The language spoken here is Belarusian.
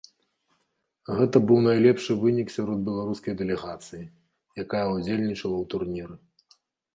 Гэта быў найлепшы вынік сярод беларускай дэлегацыі, якая ўдзельнічала ў турніры.